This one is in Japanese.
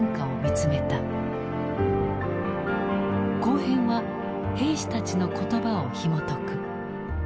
後編は兵士たちの言葉をひもとく。